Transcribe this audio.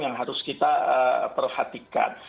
yang harus kita perhatikan